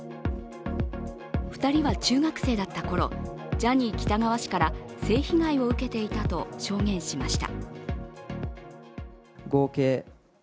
２人は中学生だったころ、ジャニー喜多川氏から性被害を受けていたと証言しました。